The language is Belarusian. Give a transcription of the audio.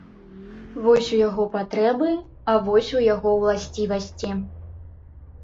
Вось у яго патрэбы, а вось у яго ўласцівасці.